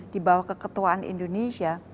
di bawah keketuaan indonesia